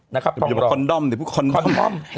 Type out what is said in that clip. อย่าพูดคอนด้อมอย่าพูดคอนด้อม